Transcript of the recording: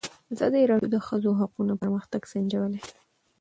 ازادي راډیو د د ښځو حقونه پرمختګ سنجولی.